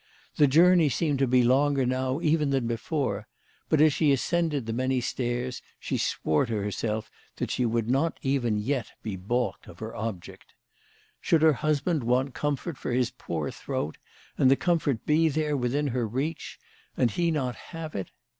The journey seemed to be longer now even than before, but as she ascended the many stairs she swore to herself that she would not even yet be baulked of her object. Should her husband want comfort for his poor throat, , and the comfort be there within her reach, and he not have it